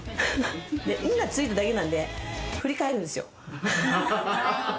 「ン」がついただけなんで振り返るんですよ。